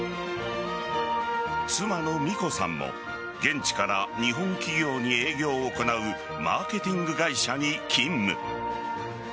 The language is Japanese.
妻のみこさんも現地から日本企業に営業を行うマーケティング会社に勤務。